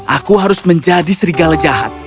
aku harus menjadi serigala jahat